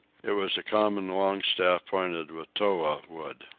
It was a common longstaff pointed with the toa wood.